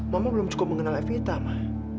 mama belum cukup mengenal evita mah